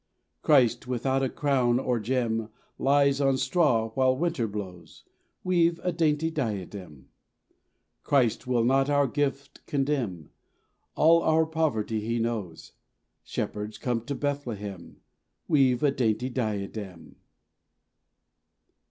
Christ without a crown or gem Lies on straw while winter blows; Weave a dainty diadem. Christ will not our gift condemn; All our poverty He knows. Shepherds, come to Bethlehem, Weave a dainty diadem.